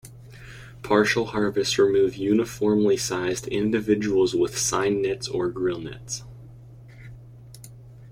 Partial harvests remove uniformly sized individuals with seine nets or gill nets.